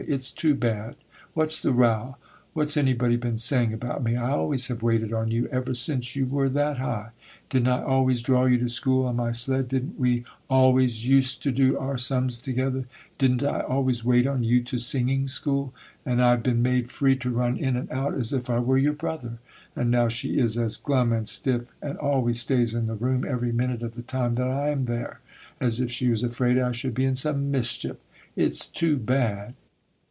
It's too bad! What's the row? What's anybody been saying about me? I always have waited on you ever since you were that high. Didn't I always draw you to school on my sled? didn't we always use to do our sums together? didn't I always wait on you to singing school? and I've been made free to run in and out as if I were your brother;—and now she is as glum and stiff, and always stays in the room every minute of the time that I am there, as if she was afraid I should be in some mischief. It's too bad!